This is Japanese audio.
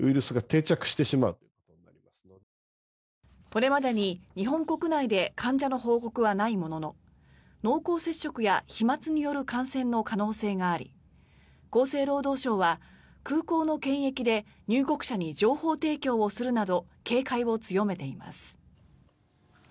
これまでに日本国内で患者の報告はないものの濃厚接触や飛まつによる感染の可能性があり厚生労働省は空港の検疫で入国者に情報提供をするなど警戒を強めています。